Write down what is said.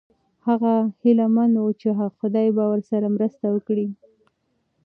هغه هیله من و چې خدای به ورسره مرسته وکړي.